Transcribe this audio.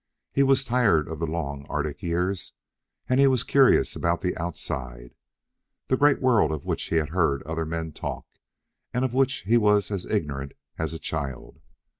He was tired of the long Arctic years, and he was curious about the Outside the great world of which he had heard other men talk and of which he was as ignorant as a child.